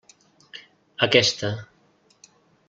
Aquesta.